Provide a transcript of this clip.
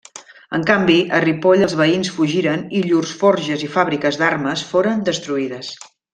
En canvi, a Ripoll els veïns fugiren i llurs forges i fàbriques d'armes foren destruïdes.